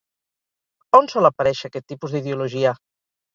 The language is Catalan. On sol aparèixer aquest tipus d'ideologia?